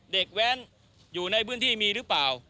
แว้นอยู่ในพื้นที่มีหรือเปล่า